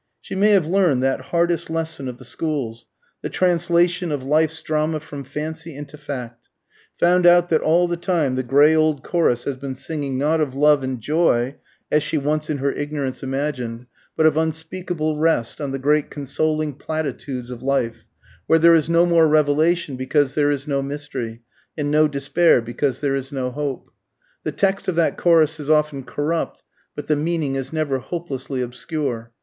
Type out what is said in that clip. She may have learned that hardest lesson of the schools, the translation of life's drama from fancy into fact; found out that all the time the grey old chorus has been singing, not of love and joy, as she once in her ignorance imagined, but of unspeakable rest on the great consoling platitudes of life, where there is no more revelation because there is no mystery, and no despair because there is no hope. The text of that chorus is often corrupt, but the meaning is never hopelessly obscure.